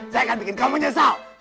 saya akan bikin kamu menyesal